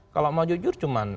kalau mau jujur cuma